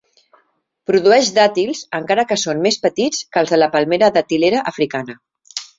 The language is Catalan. Produeix dàtils encara que són més petits que els de la palmera datilera africana.